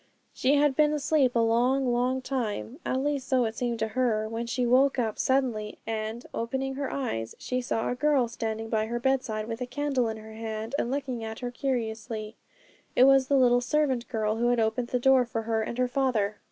She had been asleep a long, long time, at least so it seemed to her, when she woke up suddenly, and, opening her eyes, she saw a girl standing by her bedside with a candle in her hand, and looking at her curiously. It was the little servant girl who had opened the door for her and her father.